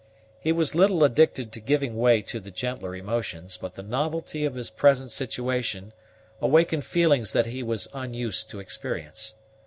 He was little addicted to giving way to the gentler emotions, but the novelty of his present situation awakened feelings that he was unused to experience.